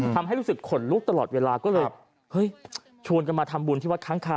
ทำให้รู้สึกขนลุกตลอดเวลาก็เลยเฮ้ยชวนกันมาทำบุญที่วัดค้างคา